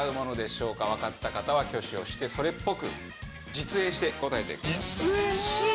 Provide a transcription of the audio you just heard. わかった方は挙手をしてそれっぽく実演して答えてください。